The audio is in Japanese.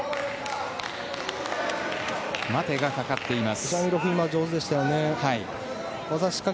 待てがかかっています。